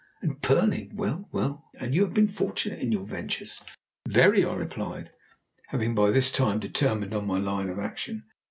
And pearling! Well, well! And you have been fortunate in your ventures?" "Very!" I replied, having by this time determined on my line of action.